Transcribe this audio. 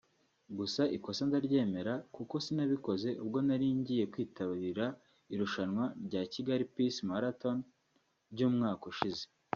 Gusa ikosa ndaryemera kuko sinabikoze ubwo nari ngiye kwitabira irushanwa rya Kigali Peace Marathon ry’umwaka ushize